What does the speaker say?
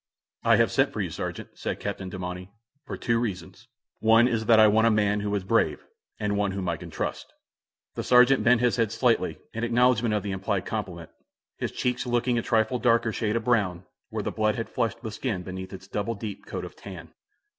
"I have sent for you, sergeant," said Captain Demauny, "for two reasons. One is that I want a man who is brave, and one whom I can trust." The sergeant bent his head slightly, in acknowledgement of the implied compliment, his cheeks looking a trifle darker shade of brown, where the blood had flushed the skin beneath its double deep coat of tan.